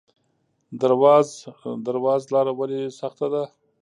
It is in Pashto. درواز لاره ولې سخته ده؟